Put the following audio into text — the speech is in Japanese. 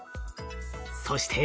そして。